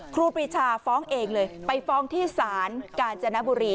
ครูปรีชาฟ้องเองเลยไปฟ้องที่ศาลกาญจนบุรี